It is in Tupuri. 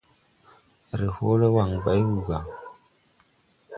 A ree hɔɔle waŋ bay wuu gà.